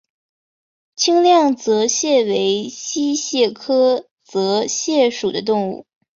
清亮泽蟹为溪蟹科泽蟹属的动物。